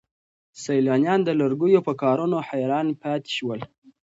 سیلانیان د لرګیو په کارونو حیران پاتې شول.